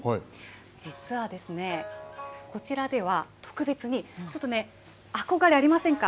実は、こちらでは特別にちょっとね、憧れありませんか？